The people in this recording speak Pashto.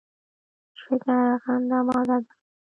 شګه رغنده ماده ده.